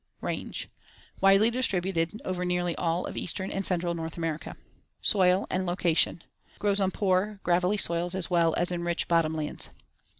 Range: Widely distributed over nearly all of eastern and central North America. Soil and location: Grows on poor, gravelly soils as well as in rich bottom lands.